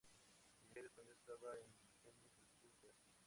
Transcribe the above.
El Imperio español estaba en el cenit de su poder.